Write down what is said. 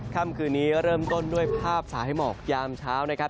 ค่ำคืนนี้เริ่มต้นด้วยภาพสายหมอกยามเช้านะครับ